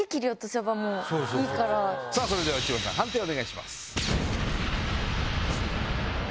それでは内村さん判定をお願いします。